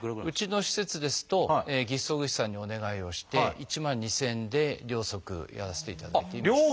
うちの施設ですと義肢装具士さんにお願いをして１万２，０００円で両足やらせていただいています。